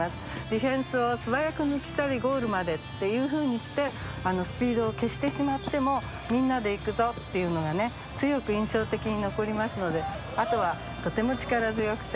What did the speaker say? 「ディフェンスを素早く抜きさりゴールまで」っていうふうにして「スピード」を消してしまっても「みんなで行くぞ」っていうのがね強く印象的に残りますのであとはとても力強くていいと思います。